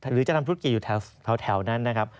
หรือจะทำธุรกิจอยู่แถวนั้นนะครับ